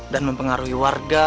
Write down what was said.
dan mempengaruhi warga